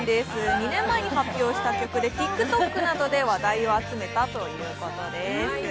２年前に発表した曲でＴｉｋＴｏｋなどで話題を集めたということです。